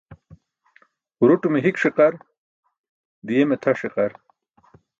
Huruṭume hik ṣiqar, di̇yeme tʰa ṣiqar.